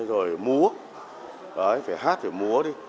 rồi múa phải hát thì múa đi